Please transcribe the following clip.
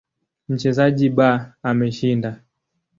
Mchezaji B ameshinda.